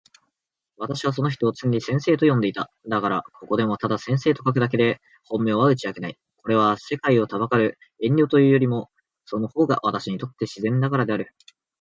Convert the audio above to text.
私はその人を常に先生と呼んでいた。だから、ここでもただ先生と書くだけで、本名は打ち明けない。これは、世界を憚る遠慮というよりも、その方が私にとって自然だからである。